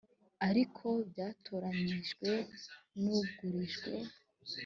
ariko byatoranijwe n’ugurijwe